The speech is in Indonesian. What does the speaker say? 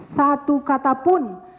satu kata pun